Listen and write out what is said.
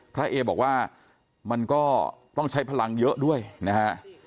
เอบอกว่ามันก็ต้องใช้พลังเยอะด้วยนะฮะ